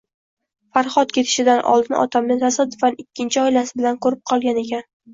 Farhod ketishidan oldin otamni tasodifan ikkinchi oilasi bilan ko`rib qolgan ekan